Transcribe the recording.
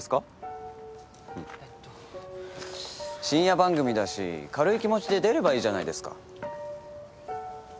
深夜番組だし軽い気持ちで出ればいいじゃないですか。